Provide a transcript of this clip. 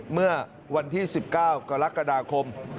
เมื่อวันที่๑๙กรกฎาคม